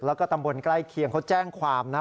แล้วก็ตำบลใกล้เคียงเขาแจ้งความนะ